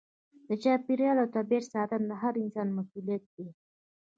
د چاپیریال او طبیعت ساتنه د هر انسان مسؤلیت دی.